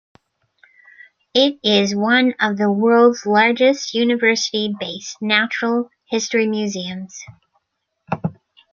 It is one of the world's largest university-based natural history museums.